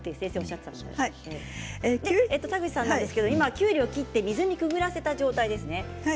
きゅうりは切って水にくぐらせた状態ですね。